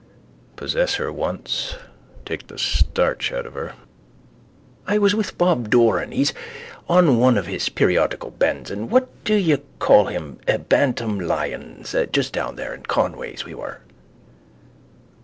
Possess her once take the starch out of her. —I was with Bob Doran, he's on one of his periodical bends, and what do you call him Bantam Lyons. Just down there in Conway's we were.